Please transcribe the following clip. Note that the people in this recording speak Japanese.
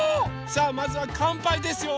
さあまずはかんぱいですよ。